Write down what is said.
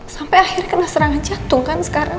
sampai akhirnya kena serangan jantung kan sekarang